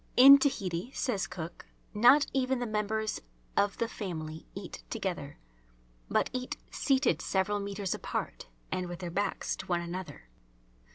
In Tahiti, says Cook, not even the members of the family eat together, but eat seated several metres apart and with their backs to one another.